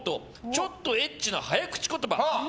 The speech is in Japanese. ちょっとＨな早口言葉。